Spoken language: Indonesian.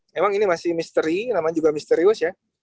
memang ini masih misteri namanya juga misterius ya